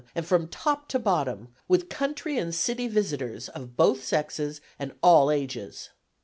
and from top to bottom, with country and city visitors, of both sexes and all ages.